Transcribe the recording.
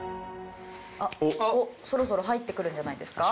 おっそろそろ入ってくるんじゃないですか？